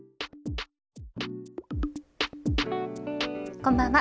こんばんは。